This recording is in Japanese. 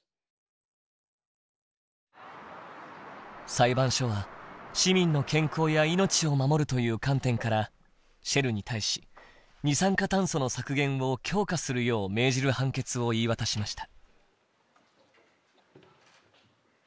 裁判所は市民の健康や命を守るという観点からシェルに対し二酸化炭素の削減を強化するよう命じる判決を言い渡しました。